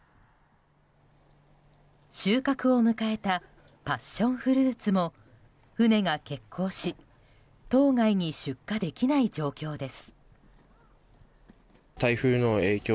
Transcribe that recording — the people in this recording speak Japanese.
収穫を迎えたパッションフルーツも船が欠航し島外に出荷できない状況です。